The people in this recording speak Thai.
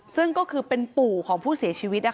ซึ่งก็คือเป็นปู่ของผู้เสียชีวิต